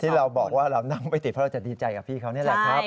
เราบอกว่าเรานั่งไม่ติดเพราะเราจะดีใจกับพี่เขานี่แหละครับ